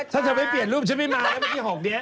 ถ้าเธอไม่เปลี่ยนรูปฉันไม่มาแล้วเมื่อกี้๖นี้